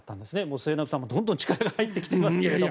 末延さんも、どんどん力が入ってきてますけど。